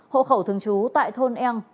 hộ khẩu thường trú tại thôn eng